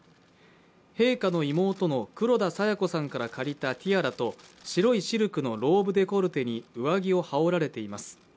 陛下の妹の黒田清子さんから借りたティアラと白いシルクのローブデコルテに上着を羽織られています。